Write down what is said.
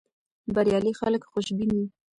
بریالي خلک خوشبین وي.